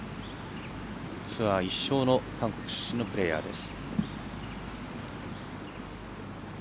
ツアー１勝の韓国出身のプレーヤーです。